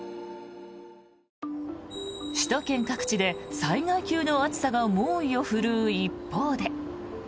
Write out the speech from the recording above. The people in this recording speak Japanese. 首都圏各地で災害級の暑さが猛威を振るう一方で。